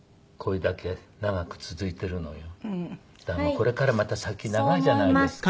これからまた先長いじゃないですか。